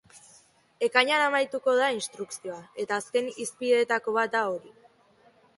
Ekainean amaituko da instrukzioa, eta azken izapideetako bat da hori.